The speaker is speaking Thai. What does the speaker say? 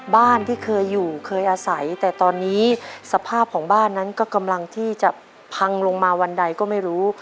บ้านที่เคยอยู่เคยอาศัยแต่ตอนนี้สภาพของบ้านนั้นก็กำลังที่จะพังลงมาวันใดก็ไม่รู้